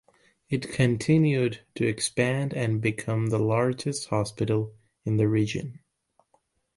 It continued to expand and become the largest hospital in the region.